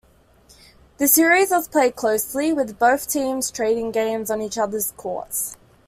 The series was played closely, with both teams trading games on each other's courts.